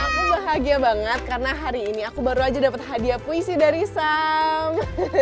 aku bahagia banget karena hari ini aku baru aja dapat hadiah puisi dari sam